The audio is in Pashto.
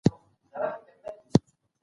ژبه د اړيکو تر ټولو مهمه وسيله ده.